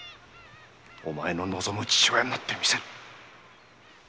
お前の望む父親になってみせる。